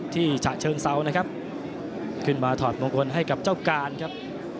ฉะเชิงเซานะครับขึ้นมาถอดมงคลให้กับเจ้าการครับ